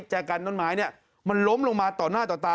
แก่กันต้นไม้เนี่ยมันล้มลงมาต่อหน้าต่อตา